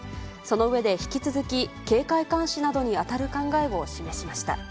その上で引き続き、警戒監視などに当たる考えを示しました。